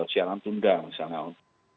siaran tunda misalnya untuk